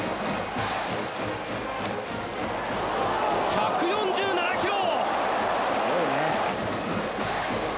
１４７キロ！